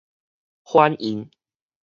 翻印